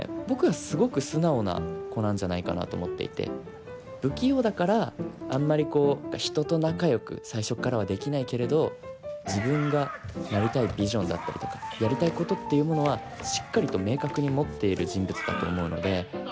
僕はすごく素直な子なんじゃないかなと思っていて不器用だからあんまりこう人と仲よく最初っからはできないけれど自分がなりたいビジョンだったりとかやりたいことっていうものはしっかりと明確に持っている人物だと思うので。